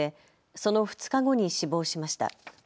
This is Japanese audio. その２日後に死亡しました。